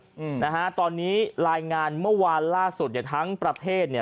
อืมนะฮะตอนนี้รายงานเมื่อวานล่าสุดเนี่ยทั้งประเทศเนี่ย